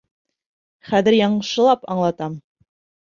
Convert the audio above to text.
Хәҙер яҡшылап аңлатам.